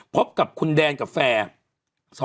พบกับคุณแดนกับแฟร์